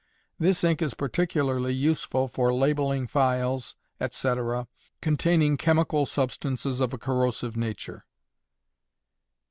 This ink is particularly useful for labelling phials, &c., containing chemical, substances of a corrosive nature.